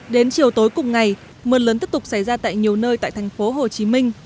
đến chiều tối cùng ngày mưa lớn tiếp tục xảy ra tại nhiều nơi tại tp hcm